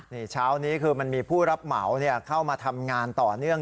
นี่เช้านี้คือมันมีผู้รับเหมาเข้ามาทำงานต่อเนื่อง